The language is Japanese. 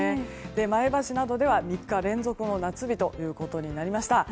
前橋などでは３日連続の夏日となりました。